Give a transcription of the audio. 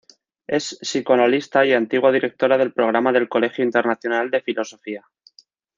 Es psicoanalista y antigua directora del programa del Colegio Internacional de Filosofía.